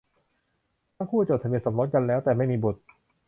ทั้งคู่จดทะเบียนสมรสกันแล้ว แต่ไม่มีบุตร